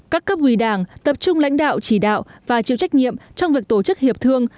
các cấp ủy đảng tập trung lãnh đạo chỉ đạo và chịu trách nhiệm trong việc tổ chức hiệp thương